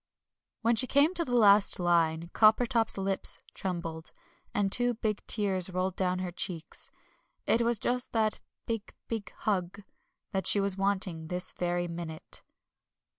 When she came to the last line Coppertop's lips trembled, and two big tears rolled down her cheeks. It was just that "Big, big hug" that she was wanting this very minute.